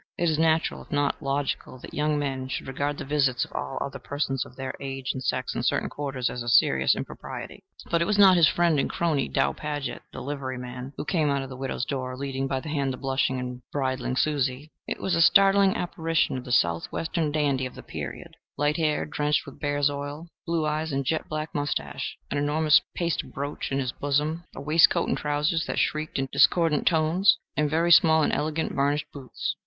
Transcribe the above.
It is natural, if not logical, that young men should regard the visits of all other persons of their age and sex in certain quarters as a serious impropriety. But it was not his friend and crony Dow Padgett, the liveryman, who came out of the widow's door, leading by the hand the blushing and bridling Susie. It was a startling apparition of the Southwestern dandy of the period light hair drenched with bear's oil, blue eyes and jet black moustache, an enormous paste brooch in his bosom, a waistcoat and trowsers that shrieked in discordant tones, and very small and elegant varnished boots.